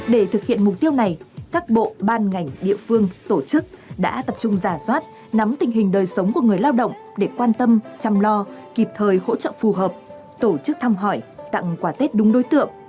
để thực hiện mục tiêu này các bộ ban ngành địa phương tổ chức đã tập trung giả soát nắm tình hình đời sống của người lao động để quan tâm chăm lo kịp thời hỗ trợ phù hợp tổ chức thăm hỏi tặng quà tết đúng đối tượng